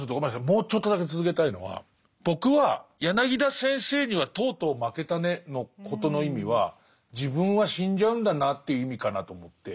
もうちょっとだけ続けたいのは僕は柳田先生にはとうとう負けたねのことの意味は自分は死んじゃうんだなという意味かなと思って。